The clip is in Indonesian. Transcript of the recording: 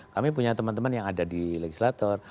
kami punya teman teman yang ada di legislator